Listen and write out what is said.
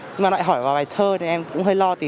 nhưng mà lại hỏi vào bài thơ thì em cũng hơi lo